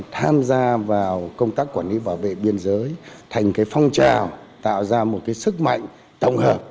tham gia vào công tác quản lý bảo vệ biên giới thành cái phong trào tạo ra một cái sức mạnh tổng hợp